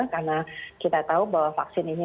karena kita tahu bahwa vaksin ini harus